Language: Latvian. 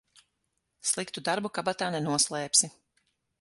Sliktu darbu kabatā nenoslēpsi.